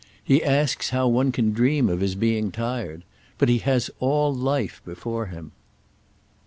He asks how one can dream of his being tired. But he has all life before him."